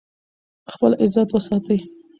خپل عزت وساتئ.